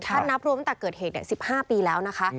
ถ้านับรวมตั้งแต่เกิดเหตุ๑๕ปีแล้วนะคะ